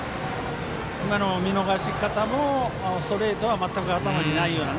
今の見逃し方ストレートは全く頭にないような。